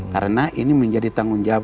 karena ini menjadi tanggung jawab